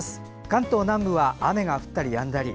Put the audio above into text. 関東南部は雨が降ったりやんだり。